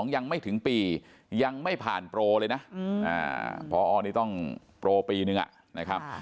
ยังไม่ถึงปียังไม่ผ่านโปรเลยนะพอนี่ต้องโปรปีนึงนะครับ